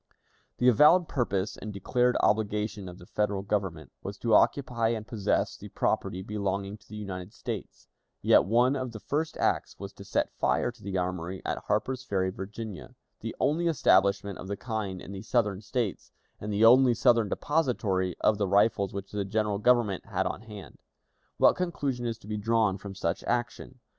The avowed purpose and declared obligation of the Federal Government was to occupy and possess the property belonging to the United States, yet one of the first acts was to set fire to the armory at Harper's Ferry, Virginia, the only establishment of the kind in the Southern States, and the only Southern depository of the rifles which the General Government had then on hand. What conclusion is to be drawn from such action?